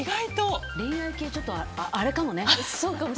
恋愛系ちょっと、あれかもね。